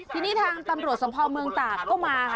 ทีนี้ทางตำรวจสมภาวเมืองตากก็มาค่ะ